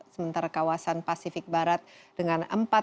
sementara kawasan pasifik barat dengan empat tujuh ratus tiga puluh lima